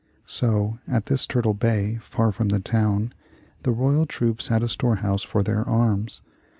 So at this Turtle Bay, far from the town, the royal troops had a storehouse for their arms.